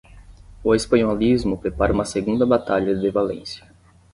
O espanholismo prepara uma segunda batalha de Valência.